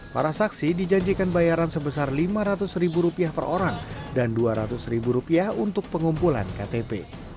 para saksi dijanjikan bayaran sebesar lima ratus ribu rupiah per orang dan rp dua ratus ribu rupiah untuk pengumpulan ktp